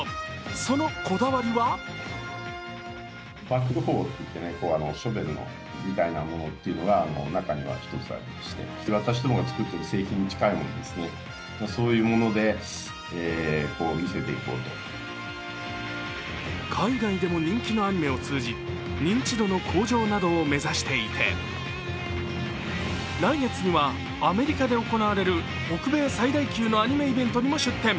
そのこだわりは海外でも人気のアニメを通じ認知度の向上などを目指していて来月にはアメリカで行われる北米最大級のアニメイベントにも出展。